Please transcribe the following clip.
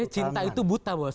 cinta itu buta bos